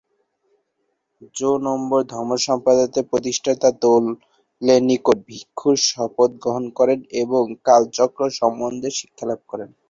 জো-নম্বর ধর্মসম্প্রদায়ের প্রতিষ্ঠাতা দোল-পো-পা-শেস-রাব-র্গ্যাল-ম্ত্শানের নিকট ভিক্ষুর শপথ গ্রহণ করেন ও কালচক্র সম্বন্ধে শিক্ষালাভ করেন।